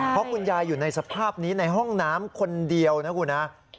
เพราะคุณยายอยู่ในสภาพนี้ในห้องน้ำคนเดียวนะคุณฮะ